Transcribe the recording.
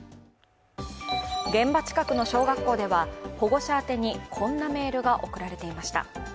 現場近くの小学校では保護者宛にこんなメールが送られていました。